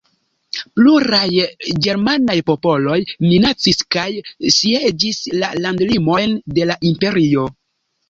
Pluraj ĝermanaj popoloj minacis kaj sieĝis la landlimojn de la Imperio.